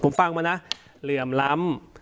ผมฟังมานะเหลื่อมล้ำ